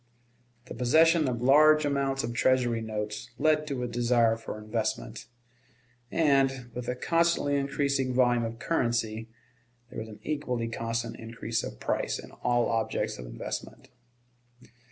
The possession of large amounts of Treasury notes led to a desire for investment; and, with a constantly increasing volume of currency, there was an equally constant increase of price in all objects of investment.